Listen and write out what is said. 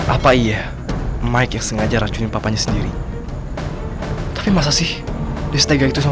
apa iya mike yang sengaja racunin papanya sendiri tapi masa sih distega itu sama